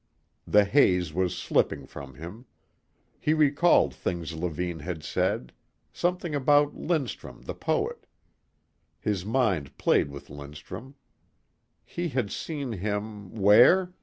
The haze was slipping from him. He recalled things Levine had said. Something about Lindstrum, the poet. His mind played with Lindstrum. He had seen him where?